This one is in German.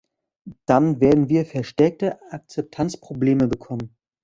Dann werden wir verstärkte Akzeptanzprobleme bekommen.